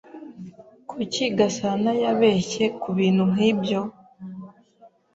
Kuki Gasanayabeshya kubintu nkibyo?